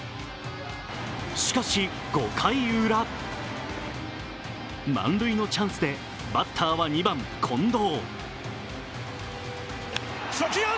しかし、５回ウラ満塁のチャンスでバッターは２番・近藤。